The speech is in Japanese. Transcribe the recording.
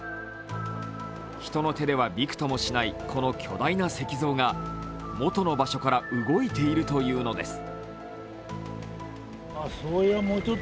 人の手ではびくともしないこの巨大な石像が元の場所から動いているというのです。